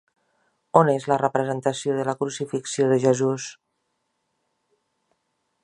On és la representació de la Crucifixió de Jesús?